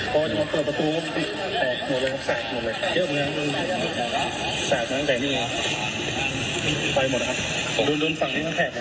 ก็จะมาเปิดประตูเห็นแบบไหนเป็นว้าวไปหมดแล้วดูดูฟังแทบ